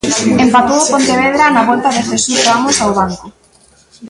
Empatou o Pontevedra na volta de Jesús Ramos ao banco.